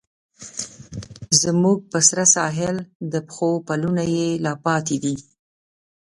زموږ په سره ساحل، د پښو پلونه یې لا پاتې دي